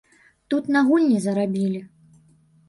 Тут на гульні зарабілі!